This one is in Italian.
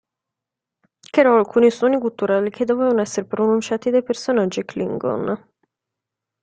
Creò alcuni suoni gutturali che dovevano essere pronunciati dai personaggi klingon.